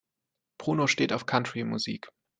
Bruno steht auf Country-Musik.